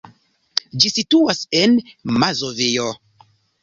Ĝi situas en Mazovio.